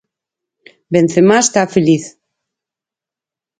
Benzemá está feliz.